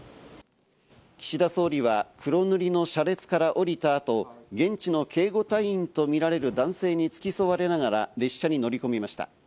岸田総理は黒塗りの車列から降りた後、現地の警護隊員とみられる男性に付き添われながら列車に乗り込みました。